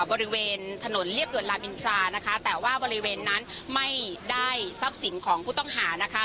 บริเวณถนนเรียบด่วนลามอินทรานะคะแต่ว่าบริเวณนั้นไม่ได้ทรัพย์สินของผู้ต้องหานะคะ